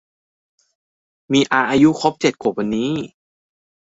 มีอาอายุครบเจ็ดขวบวันนี้